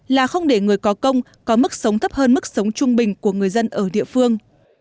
là không để người có công có mức sống thấp hơn mức sống trung bình của người dân ở địa phương